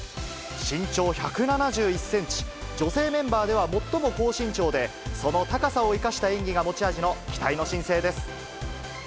身長１７１センチ、女性メンバーでは最も高身長で、その高さを生かした演技が持ち味の期待の新星です。